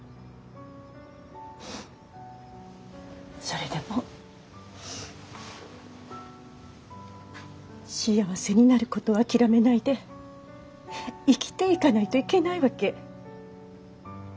それでも幸せになることを諦めないで生きていかないといけないわけ。